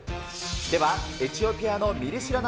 では、エチオピアのミリ知ら夏